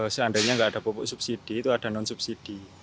seandainya nggak ada pupuk subsidi itu ada non subsidi